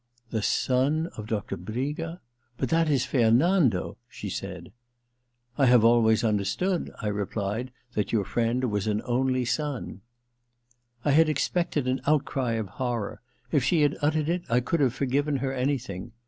* The son of Doctor Briga ? But that is — Fernando,' she said. ^ I have always understood,' I replied, ^ that your friend was an only son.' I had expected an outcry of horror ; if she had uttered it I could have forgiven her any thing.